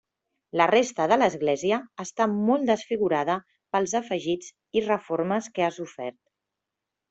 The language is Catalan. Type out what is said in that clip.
La resta de l'església està molt desfigurada pels afegits i reformes que ha sofert.